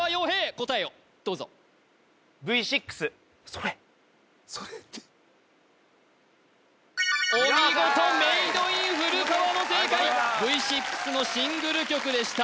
答えをどうぞ「それ！」ってお見事メイドイン古川の正解Ｖ６のシングル曲でした